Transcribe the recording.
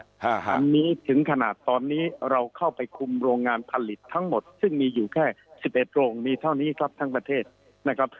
อันนี้ถึงขนาดตอนนี้เราเข้าไปคุมโรงงานผลิตทั้งหมดซึ่งมีอยู่แค่๑๑โรงมีเท่านี้ครับทั้งประเทศนะครับ